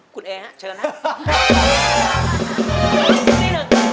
คุณเนี่ยเชิญนะ